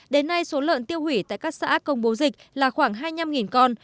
đến nay số lợn tiêu hủy tại các xã công bố dịch là khoảng hai mươi năm con